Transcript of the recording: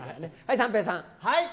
三平さん。